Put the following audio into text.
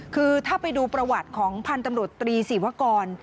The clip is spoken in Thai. คือถ้าไปดูประวัติของพันธุ์ตำรวจตรีศิวกร